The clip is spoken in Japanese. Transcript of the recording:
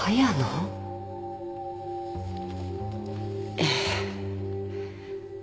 ええ。